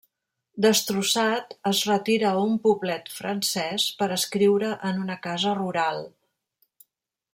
Destrossat, es retira a un poblet francès per escriure en una casa rural.